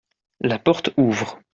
La porte ouvre.